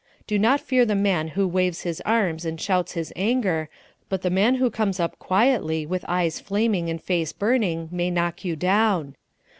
Do not fear the man who waves his arms and shouts his anger, but the man who comes up quietly with eyes flaming and face burning may knock you down.